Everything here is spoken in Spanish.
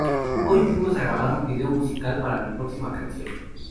Hoy fuimos a grabar un vídeo musical para mi próxima canción.